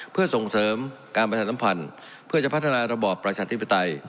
เพื่อส่งเสริมการประชาสัมพันธ์เพื่อจะพัฒนาระบอบประชาธิปไตย